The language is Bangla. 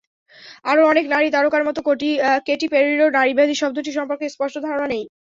আরও অনেক নারী তারকার মতো কেটি পেরিরও নারীবাদী শব্দটি সম্পর্কে স্পষ্ট ধারণা নেই।